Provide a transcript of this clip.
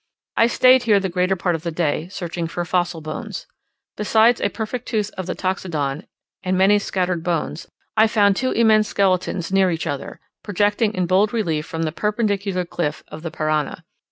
I stayed here the greater part of the day, searching for fossil bones. Besides a perfect tooth of the Toxodon, and many scattered bones, I found two immense skeletons near each other, projecting in bold relief from the perpendicular cliff of the Parana.